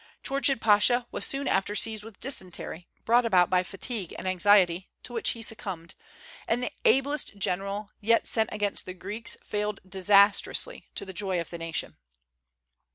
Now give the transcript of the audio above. Chourchid Pasha was soon after seized with dysentery, brought about by fatigue and anxiety, to which he succumbed; and the ablest general yet sent against the Greeks failed disastrously, to the joy of the nation.